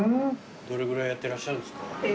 どれぐらいやってらっしゃるんですか？